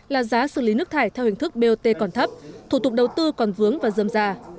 là giá xử lý nước thải theo hình thức bot còn thấp thủ tục đầu tư còn vướng và dơm ra